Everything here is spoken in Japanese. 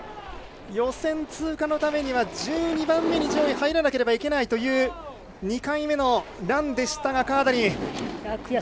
予選通過のためには１２番目に上位に入らなければいけないという２回目のランでしたがカーダリン。